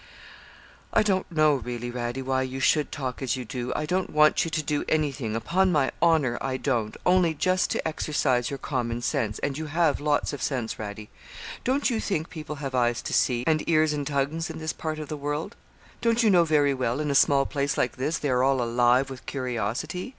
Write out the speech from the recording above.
'I don't know really, Radie, why you should talk as you do. I don't want you to do anything upon my honour I don't only just to exercise your common sense and you have lots of sense, Radie. Don't you think people have eyes to see, and ears and tongues in this part of the world? Don't you know very well, in a small place like this, they are all alive with curiosity?